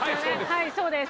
はいそうです